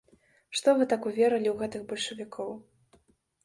Што вы так уверылі ў гэтых бальшавікоў?